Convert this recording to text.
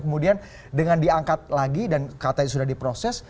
kemudian dengan diangkat lagi dan katanya sudah diproses